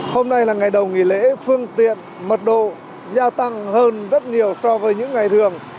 hôm nay là ngày đầu nghỉ lễ phương tiện mật độ gia tăng hơn rất nhiều so với những ngày thường